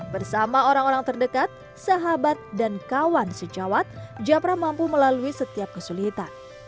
bersama orang orang terdekat sahabat dan kawan sejawat japra mampu melalui setiap kesulitan